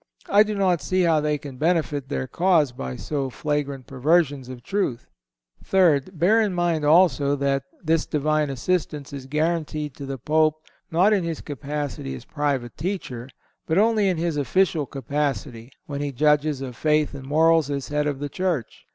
I do not see how they can benefit their cause by so flagrant perversions of truth. Third—Bear in mind, also, that this Divine assistance is guaranteed to the Pope not in his capacity as private teacher, but only in his official capacity, when he judges of faith and morals as Head of the Church.